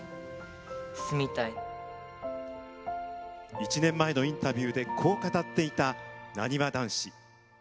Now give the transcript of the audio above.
１年前のインタビューでこう語っていた、なにわ男子。